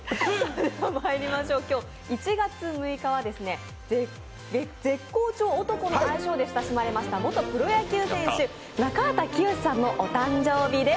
今日１月６日は「絶好調男」の愛称で親しまれました元プロ野球選手、中畑清さんのお誕生日です。